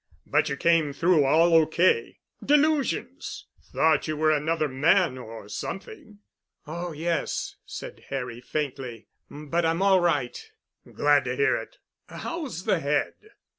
But you came through all O.K. Delusions. Thought you were another man—or something——" "Oh yes," said Harry faintly, "but I'm all right." "Glad to hear it. How's the head?"